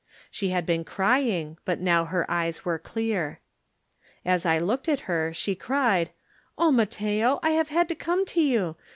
She had been crying, but now her eyes were clear. As I looked at her she cried: "Oh, Mat teo, I have had to come to you.